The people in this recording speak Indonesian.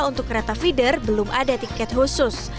untuk kereta feeder belum ada tiket khusus